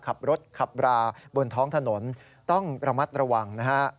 ขับรถขับราบนท้องถนนต้องระมัดระวังนะฮะ